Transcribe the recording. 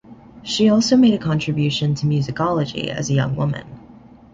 She also made a contribution to musicology as a young woman.